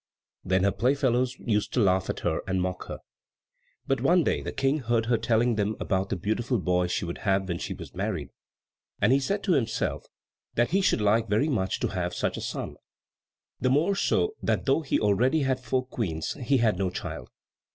Then her playfellows used to laugh at her and mock her. But one day the King heard her telling them about the beautiful boy she would have when she was married, and he said to himself he should like very much to have such a son; the more so that though he had already four Queens he had no child.